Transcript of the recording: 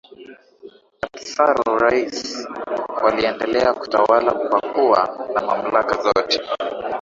Matsar wa Urusi waliendelea kutawala kwa kuwa na mamlaka zote